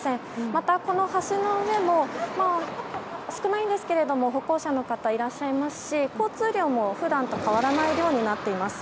また、この橋の上も少ないんですが、歩行者の方がいらっしゃいますし交通量も普段と変わらない量になっています。